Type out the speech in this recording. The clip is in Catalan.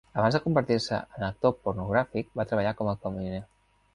Abans de convertir-se en actor pornogràfic, va treballar com a camioner.